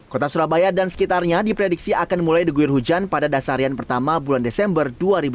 kota surabaya dan sekitarnya diprediksi akan mulai diguir hujan pada dasarian pertama bulan desember dua ribu dua puluh